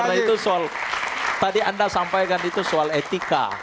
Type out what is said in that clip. karena itu soal tadi anda sampaikan itu soal etika